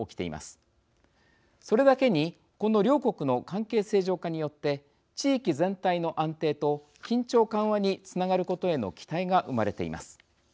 それだけにこの両国の関係正常化によって地域全体の安定と緊張緩和につながることへの期待が生まれています。